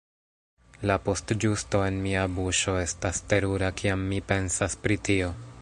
La postĝusto en mia buŝo estas terura kiam mi pensas pri tio.